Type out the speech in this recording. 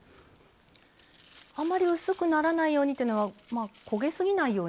あまり薄くならないようにというのは焦げすぎないように。